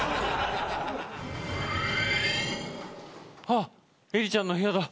はっエリちゃんの部屋だ。